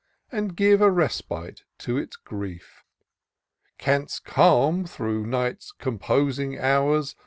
And give a respite to its grief; Canst calm, through night's composing hours.